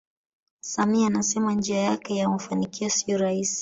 samia anasema njia yake ya mafanikio siyo rahisi